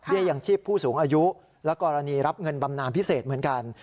ยังชีพผู้สูงอายุและกรณีรับเงินบำนานพิเศษเหมือนกัน